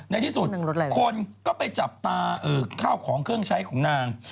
ในที่สุดคนก็ไปจับตาข้าวของเครื่องใช้ของนาง